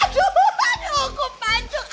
aduh aduh aku pancuk